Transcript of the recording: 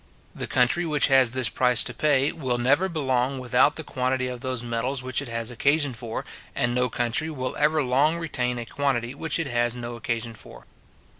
The country which has this price to pay, will never belong without the quantity of those metals which it has occasion for; and no country will ever long retain a quantity which it has no occasion for.